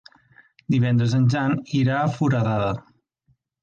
Divendres en Jan irà a Foradada.